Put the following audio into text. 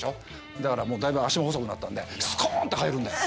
だからもう大分脚も細くなったんでスコンって入るんです。